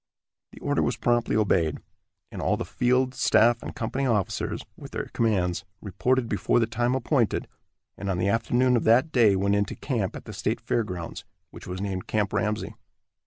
The order was promptly obeyed, and all the field, staff and company officers, with their commands, reported before the time appointed, and on the afternoon of that day went into camp at the state fair grounds, which was named Camp Ramsey.